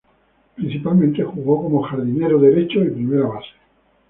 Principalmente jugó como jardinero derecho y primera base.